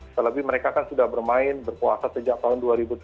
selebih mereka kan sudah bermain berpuasa sejak tahun dua ribu tujuh belas